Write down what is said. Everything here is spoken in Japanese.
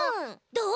どう？